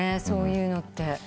そういうのって。